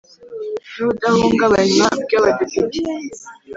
n ubudahungabanywa bw Abadepite